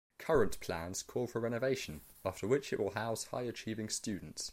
Current plans call for renovation after which it will house high achieving students.